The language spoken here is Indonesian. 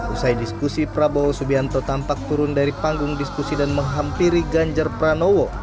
usai diskusi prabowo subianto tampak turun dari panggung diskusi dan menghampiri ganjar pranowo